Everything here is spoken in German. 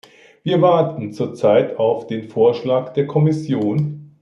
Wir warten zurzeit auf den Vorschlag der Kommission.